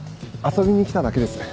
遊びに来ただけです。